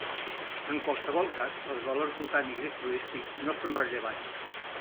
En qualsevol cas, els valors botànics i florístics no són rellevants.